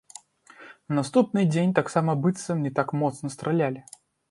На наступны дзень таксама быццам не так моцна стралялі.